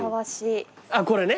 あっこれね？